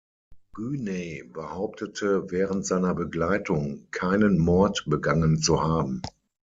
Güney behauptete während seiner Begleitung, keinen Mord begangen zu haben.